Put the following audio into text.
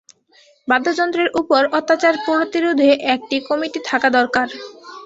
বাদ্যযন্ত্রের উপর অত্যাচার প্রতিরোধে একটা কমিটি থাকা দরকার।